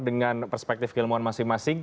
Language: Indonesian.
dengan perspektif keilmuan masing masing